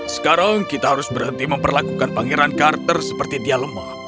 sekarang kita harus berhenti memperlakukan pangeran carter seperti dia lemah